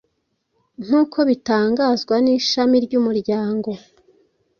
Nkuko bitangazwa n'ishami ry'umuryango